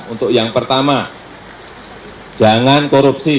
untuk yang pertama jangan korupsi